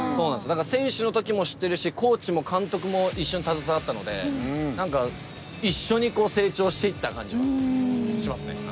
だから選手の時も知ってるしコーチも監督も一緒に携わったので何か一緒に成長していった感じはしますね。